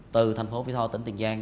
từ thành phố vĩ tho tỉnh tiền giang